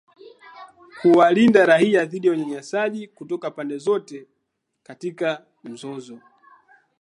kuwalinda raia dhidi ya unyanyasaji kutoka pande zote katika mzozo.